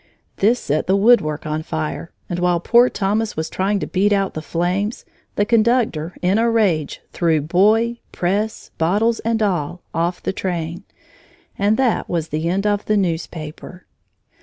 This set the woodwork on fire, and while poor Thomas was trying to beat out the flames, the conductor, in a rage, threw boy, press, bottles, and all off the train. And that was the end of the newspaper.